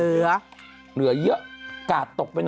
แล้วเหลือเยอะกาดตกไปหน่อย